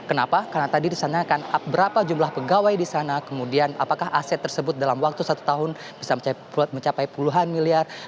kenapa karena tadi disanakan berapa jumlah pegawai di sana kemudian apakah aset tersebut dalam waktu satu tahun bisa mencapai puluhan miliar